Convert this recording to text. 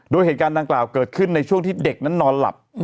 โดยเหตุการณ์ดังกล่าวเกิดขึ้นในช่วงที่เด็กนั้นนอนหลับ